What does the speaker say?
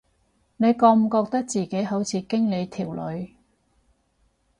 你覺唔覺得自己好似經理條女